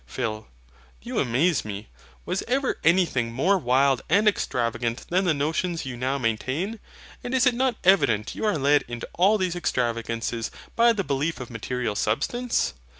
PHIL. You amaze me. Was ever anything more wild and extravagant than the notions you now maintain: and is it not evident you are led into all these extravagances by the belief of MATERIAL SUBSTANCE?